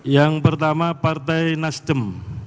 yang pertama partai nasdem